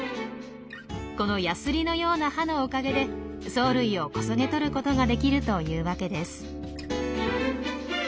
このやすりのような歯のおかげで藻類をこそげとることができるというわけです。